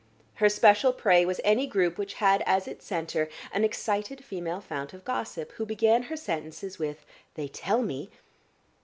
Her special prey was any group which had as its centre an excited female fount of gossip who began her sentences with "They tell me...."